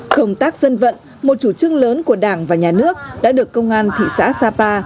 công tác dân vận một chủ trương lớn của đảng và nhà nước đã được công an thị xã sapa